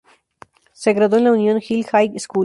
Se graduó en la Union Hill High School.